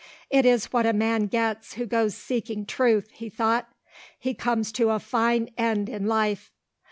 "It is what a man gets who goes seeking Truth," he thought. "He comes to a fine end in life."